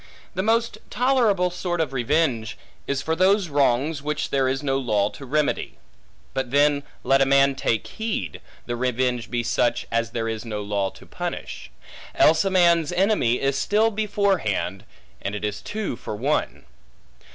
The most tolerable sort of revenge, is for those wrongs which there is no law to remedy; but then let a man take heed, the revenge be such as there is no law to punish; else a man's enemy is still before hand, and it is two for one.